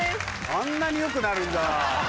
あんなに良くなるんだ。